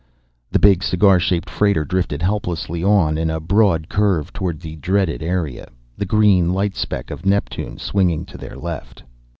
The big, cigar shaped freighter drifted helplessly on in a broad curve toward the dreaded area, the green light speck of Neptune swinging to their left.